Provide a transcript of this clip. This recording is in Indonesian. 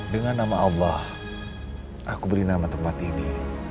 dengan nama allah aku beri nama tempat ini